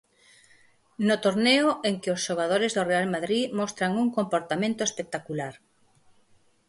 No torneo en que os xogadores do Real Madrid mostran un comportamento espectacular.